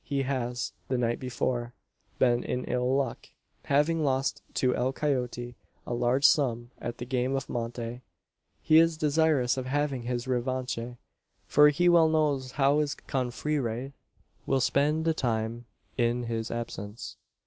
He has, the night before, been in ill luck, having lost to El Coyote a large sum at the game of monte. He is desirous of having his revanche: for he well knows how his confreres will spend the time in his absence.